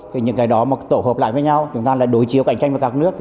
thì những cái đó mà tổ hợp lại với nhau chúng ta là đối chiếu cạnh tranh với các nước